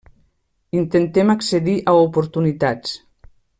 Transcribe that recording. Intentem accedir a oportunitats.